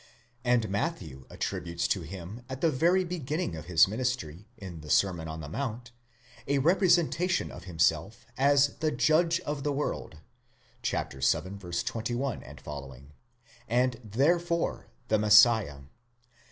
and Matthew attributes to him at the very beginning of his ministry, in the sermon on the mount, a representation of himself as the Judge of the world (vii. 21 ff.) and therefore the Messiah.